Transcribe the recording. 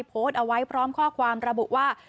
โพสต์เอาไว้พร้อมข้อความระบุว่า